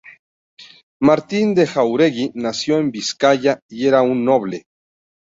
Martín de Jáuregui nació en Vizcaya y era un noble.